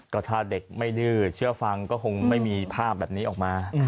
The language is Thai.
ก็ถ้าเด็กไม่ดื้อเชื่อฟังก็คงไม่มีภาพแบบนี้ออกมา